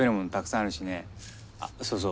あっそうそう